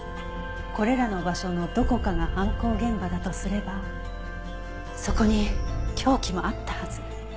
これらの場所のどこかが犯行現場だとすればそこに凶器もあったはず。